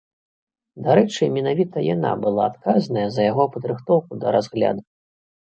Дарэчы, менавіта яна была адказная за яго падрыхтоўку да разгляду.